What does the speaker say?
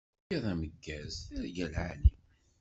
Iḍ ameggaz, tirga lɛali.